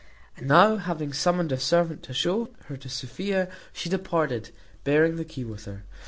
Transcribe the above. And now having summoned a servant to show her to Sophia, she departed, bearing the key with her.